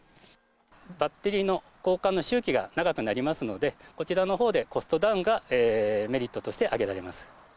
バッテリーの交換の周期が長くなりますので、こちらのほうでコストダウンが、メリットとして挙げられます。